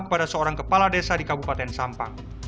kepada seorang kepala desa di kabupaten sampang